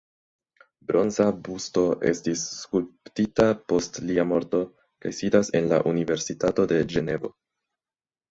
Bronza busto estis skulptita post lia morto kaj sidas en la "Universitato de Ĝenevo".